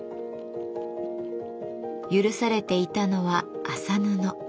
許されていたのは麻布。